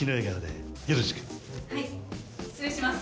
はい失礼します。